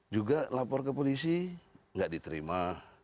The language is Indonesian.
juga lapor ke polisi nggak diterima